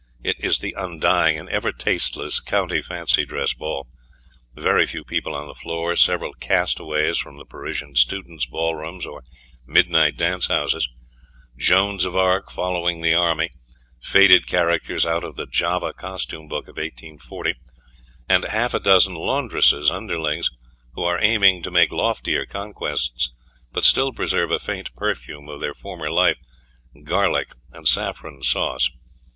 It is the undying and ever tasteless county fancy dress ball very few people on the floor, several castaways from the Parisian students' ballrooms or midnight dance houses, Joans of Arc following the army, faded characters out of the Java costume book of 1840, and half a dozen laundress's underlings who are aiming to make loftier conquests, but still preserve a faint perfume of their former life garlic and saffron sauce.